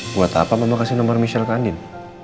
buat apa mama kasih nomor michelle ke andien